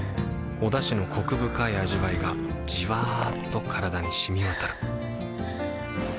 おだしのコク深い味わいがじわっと体に染み渡るはぁ。